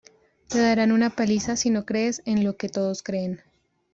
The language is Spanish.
Te darán una paliza si no crees en lo que todos creen".